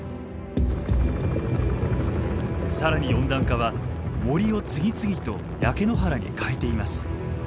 更に温暖化は森を次々と焼け野原に変えています。